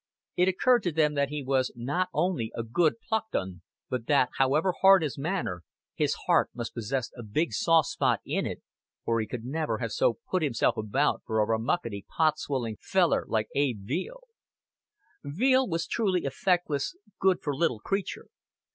It occurred to them that he was not only a good plucked 'un, but that, however hard his manner, his heart must possess a big soft spot in it, or he could never have so "put himself about for a rammucky pot swilling feller like Abe Veale." Veale was truly a feckless, good for little creature.